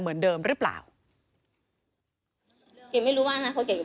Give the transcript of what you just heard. พี่ลองคิดดูสิที่พี่ไปลงกันที่ทุกคนพูด